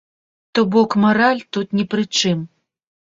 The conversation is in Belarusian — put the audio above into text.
То бок мараль тут ні пры чым.